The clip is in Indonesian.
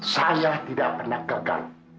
saya tidak pernah gagal